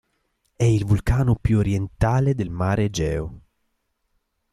È il vulcano più orientale del mar Egeo.